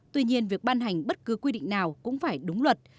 tuy nhiên việc ban hành bất cứ quy định nào cũng phải đúng luật